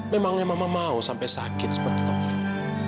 memangnya mama mau sampai sakit seperti taufik